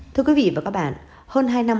thưa quý vị và các bạn hơn hai năm